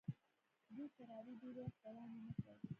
دې کراري ډېر وخت دوام ونه کړ.